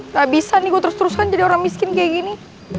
nggak bisa nih gue terus terus kan jadi orang miskin kayak gini